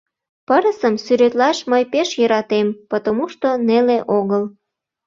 Пырысым сӱретлаш мый пеш йӧратем, потомушто неле огыл.